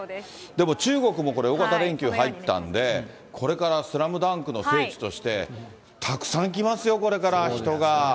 でも中国もこれ、大型連休入ったんで、これからスラムダンクの聖地として、たくさん来ますよ、これから人が。